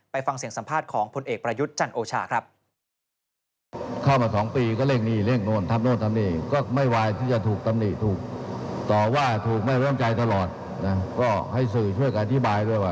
ฟังเสียงสัมภาษณ์ของพลเอกประยุทธ์จันโอชาครับ